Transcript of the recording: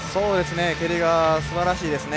蹴りがすばらしいですね。